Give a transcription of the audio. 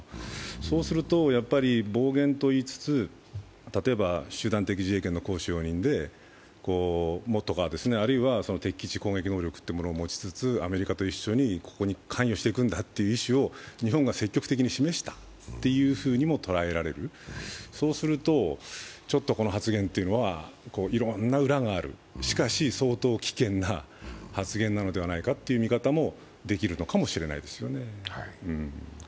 そうすると、暴言と言いつつ例えば集団的自衛権の行使容認で敵基地攻撃能力というのを持ちつつ、ここに関与していくんだという意志を日本が積極的に発言したとも捉えられる、そうすると、この発言っていうのはいろんな裏がある、しかし、相当危険な発言なのではないかという見方もできるのかもしれないですよね。